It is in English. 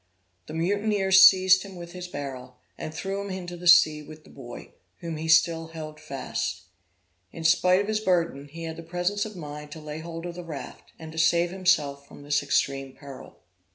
The mutineers seized him with his barrel, and threw him into the sea with the boy, whom he still held fast. In spite of his burden, he had the presence of mind to lay hold of the raft, and to save himself from this extreme peril.